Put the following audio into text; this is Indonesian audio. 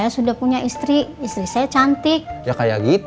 mak kerjaan mak